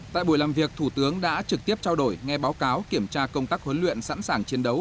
tại buổi làm việc thủ tướng đã trực tiếp trao đổi nghe báo cáo kiểm tra công tác huấn luyện sẵn sàng chiến đấu